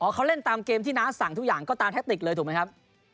เขาเล่นตามเกมที่น้าสั่งทุกอย่างก็ตามแทคติกเลยถูกไหมครับ